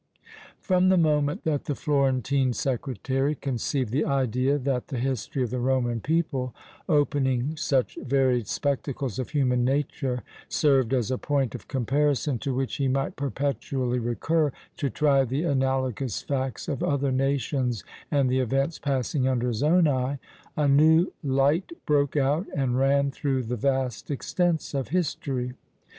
From the moment that the Florentine secretary conceived the idea that the history of the Roman people, opening such varied spectacles of human nature, served as a point of comparison to which he might perpetually recur to try the analogous facts of other nations and the events passing under his own eye, a new light broke out and ran through the vast extents of history.